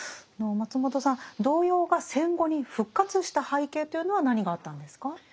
松本さん童謡が戦後に復活した背景というのは何があったんですか？